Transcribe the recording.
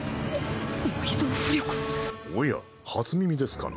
おや初耳ですかな？